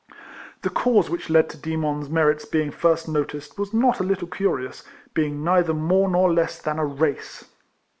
The cause which led to Demon's merits being first noticed w^as not a little curious, being neither more nor less than a race.